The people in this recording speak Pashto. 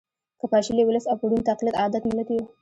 که پاشلی ولس او په ړوند تقلید عادت ملت یو